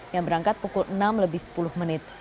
yang berangkat pukul enam lebih sepuluh menit